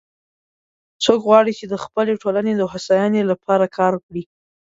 څوک غواړي چې د خپلې ټولنې د هوساینی لپاره کار وکړي